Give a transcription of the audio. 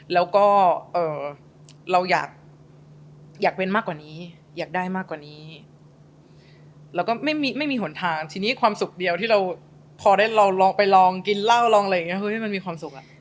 แล้วก็เราอยากเป็นมากกว่านี้อยากได้มากกว่านี้เราก็ไม่มีหนทางทีนี้ความสุขเดียวที่เราพอได้เราลองไปลองกินเหล้าลองอะไรอย่างนี้มันมีความสุขอ่ะ